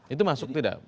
itu masuk tidak